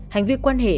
hành vi quan hệ